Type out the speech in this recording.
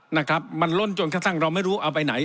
นะครับมันล่นจนกระทั่งเราไม่รู้เอาไปไหน